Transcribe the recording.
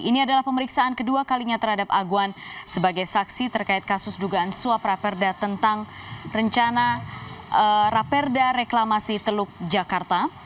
ini adalah pemeriksaan kedua kalinya terhadap aguan sebagai saksi terkait kasus dugaan suap raperda tentang rencana raperda reklamasi teluk jakarta